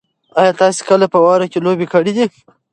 ایا تاسي کله په واوره کې لوبه کړې ده؟